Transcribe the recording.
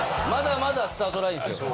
まだまだスタートラインですよ。